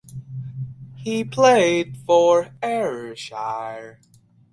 He played for Ayrshire.